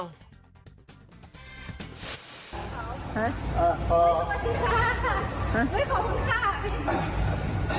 คุณค่ะ